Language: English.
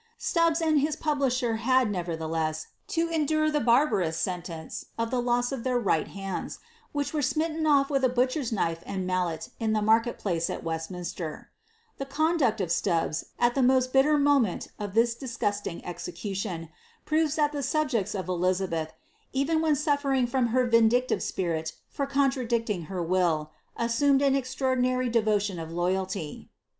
Stubbs and his publisher had, nevertheless, to endure the barbarous sentence of the loss of their right hands, which were smitten off with a butcher's knife and mallet in the market place at Westminster. The conduct of Stubbs, at the most bitter > Sidney Papers. * ^tViosi e«ia\iasA^ 1 moment of this <ttf gosling execution, proves that the subjecBsPj belli, even when suftrring from her Tindicltve spirit fur cciai will, assumed an eximordinary deroiion of loyalty.